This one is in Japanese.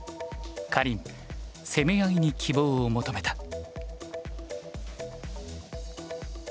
かりん攻め合いに希望を求めた。